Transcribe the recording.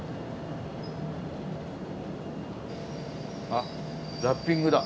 あラッピングだ。